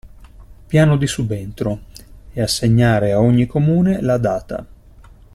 Piano di subentro e assegnare a ogni Comune la data.